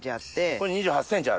これ２８ｃｍある。